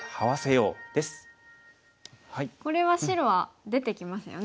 これは白は出てきますよね。